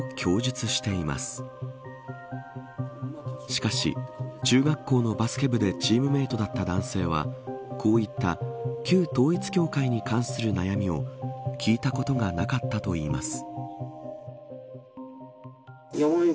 しかし、中学校のバスケ部でチームメートだった男性はこういった旧統一教会に関する悩みを聞いたことがなかったといいます。